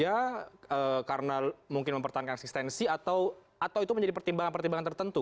ya karena mungkin mempertahankan eksistensi atau itu menjadi pertimbangan pertimbangan tertentu